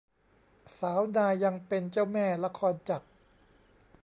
สาวนายยังเป็นเจ้าแม่ละครจักร